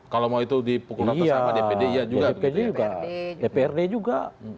kalau mau itu dipukul rata sama dpd iya juga